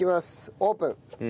オープン！